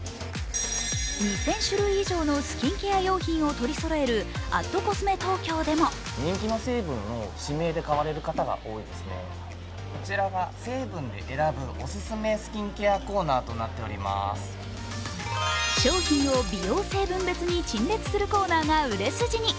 ２０００種類以上のスキンケア用品を取りそろえる＠ｃｏｓｍｅＴＯＫＹＯでも商品を美容成分別に陳列するコーナーが売れ筋に。